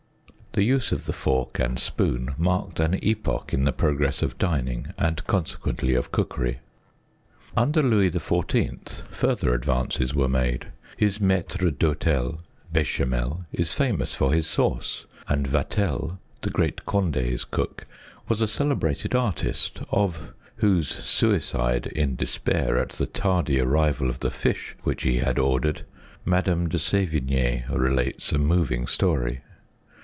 The use of the fork and spoon marked an epoch in the progress of dining, and con sequently of cookery. Under Louis XIV. further advances were made. His mattre d'hdtel, Bechamel, is famous for his sauce; and Vatel, the great Conde's cook, was a celebrated artist, of whose suicide in despair at the tardy arrival of the fish which he had ordered, Madame de Sevigne relates a moving story.